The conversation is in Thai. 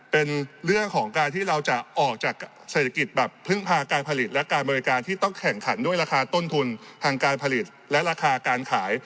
เป็นเรื่องของการที่เราจะออกจากเศรษฐกิจแบบพึ่งพาการผลิตและการบริการที่ต้องแข่งขันด้วยราคาต้นทุนทางการผลิตและราคาการขาย